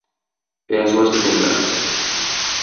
É a súa especialidade.